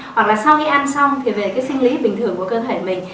hoặc là sau khi ăn xong thì về cái sinh lý bình thường của cơ thể mình